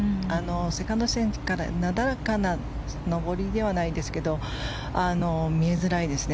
セカンド地点からなだらかな上りではないですけど見えづらいですね。